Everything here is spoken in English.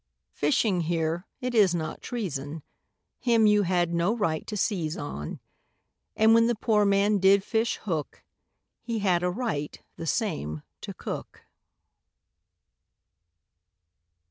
Fishing here it is not treason, Him you had no right to seize on, And when the poor man did fish hook, He had a right the same to cook.